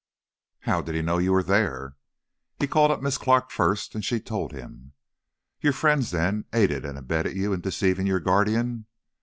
"How did he know you were there?" "He called up Miss Clark first, and she told him." "Your friends, then, aided and abetted you in deceiving your guardian?"